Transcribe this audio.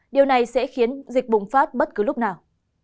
điều này sẽ khiến dịch bùng phát bất cứ lúc nào